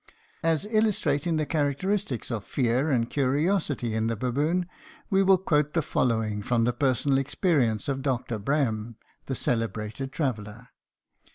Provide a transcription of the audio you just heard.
As illustrating the characteristics of fear and curiosity in the baboon, we will quote the following from the personal experience of Dr. Brehm, the celebrated traveler.